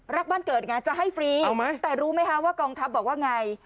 บ้านเกิดไงจะให้ฟรีแต่รู้ไหมคะว่ากองทัพบอกว่าไง